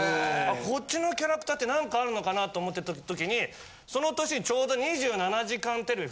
こっちのキャラクターって何かあるのかなと思ってた時にその年に丁度『２７時間テレビ』